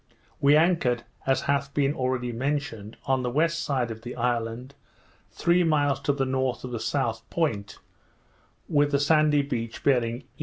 We anchored, as hath been already mentioned, on the west side of the island, three miles to the north of the south point, with the sandy beach bearing E.